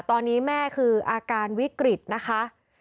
ตอนนี้แม่คืออาการวิกฤตนะคะ